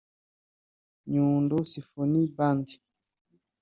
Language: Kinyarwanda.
Nyundo Symphony Band